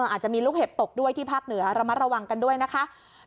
อาจจะมีลูกเห็บตกด้วยที่ภาคเหนือระมัดระวังกันด้วยนะคะ